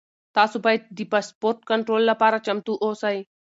تاسو باید د پاسپورټ کنټرول لپاره چمتو اوسئ.